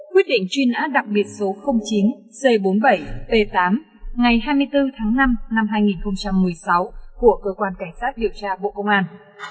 quyết định truy nã đặc biệt số chín c bốn mươi bảy t tám ngày hai mươi bốn tháng năm năm hai nghìn một mươi sáu của cơ quan cảnh sát điều tra bộ công an